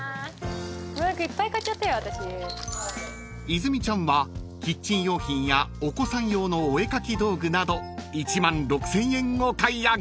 ［泉ちゃんはキッチン用品やお子さん用のお絵描き道具など１万６，０００円お買い上げ］